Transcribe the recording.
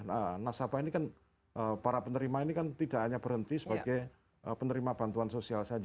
nah nasabah ini kan para penerima ini kan tidak hanya berhenti sebagai penerima bantuan sosial saja